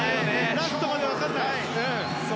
ラストまで分からない。